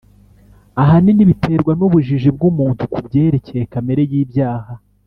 Ahanini biterwa n’ubujiji bw’umuntu ku byerekeye kamere y'ibyaha,